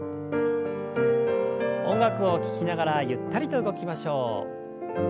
音楽を聞きながらゆったりと動きましょう。